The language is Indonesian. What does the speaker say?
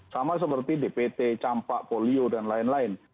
sama seperti dpt campak polio dan lain lain